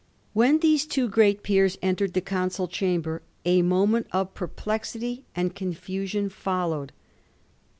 When these two great peers entered the Council chamber a moment of perplexity and confusion fol lowed.